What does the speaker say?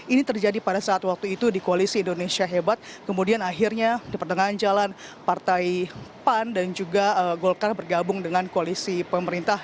ini terjadi pada saat waktu itu di koalisi indonesia hebat kemudian akhirnya di pertengahan jalan partai pan dan juga golkar bergabung dengan koalisi pemerintah